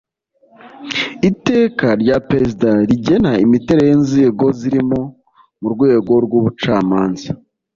Iteka rya Perezida rigena imiterere y’inzego z’imirimo mu Rwego rw’Ubucamanza